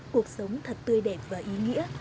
cuộc sống thật tươi đẹp và ý nghĩa